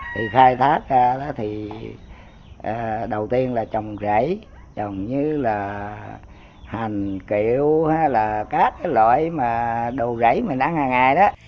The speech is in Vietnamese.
thì khai phát ra đó thì đầu tiên là trồng rẫy trồng như là hành kiểu hay là các loại mà đồ rẫy mình ăn hàng ngày đó